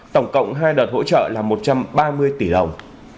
tổng cộng hai đợt hỗ trợ là một trăm ba mươi tỷ đồng